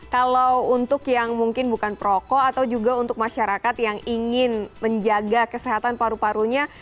kalau untuk yang mungkin bukan perokok atau juga untuk masyarakat yang ingin menjaga kesehatan paru parunya